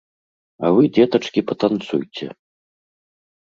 А вы, дзетачкі, патанцуйце.